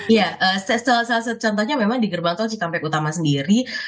ya salah satu contohnya memang di gerbang tol cikampek utama sendiri